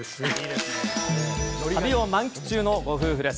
旅を満喫中のご夫婦です。